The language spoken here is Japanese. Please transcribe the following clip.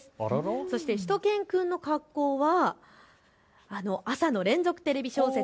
そしてしゅと犬くんの格好は朝の連続テレビ小説